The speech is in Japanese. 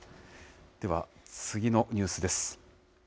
では、次のニュースです。